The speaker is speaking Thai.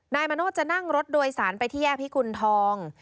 นายมโนธจะนั่งรถโดยสารไปที่แยกพิกุณฑอง